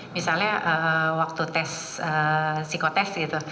misalnya waktu tes psikoterapi